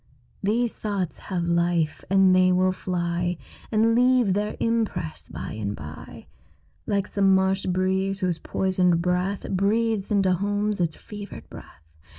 These thoughts have life; and they will fly And leave their impress by and by, Like some marsh breeze, whose poisoned breath Breathes into homes its fevered breath.